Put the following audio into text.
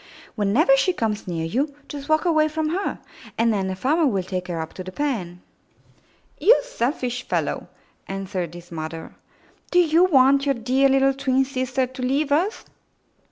''Whenever she comes near you, just walk away from her, and then the farmer will take her up to the pen.'* ''You selfish fellow T' answered his mother. "Do you want your dear little twin sister to leave us?''